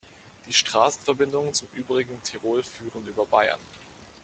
Die Straßenverbindungen zum übrigen Tirol führen über Bayern.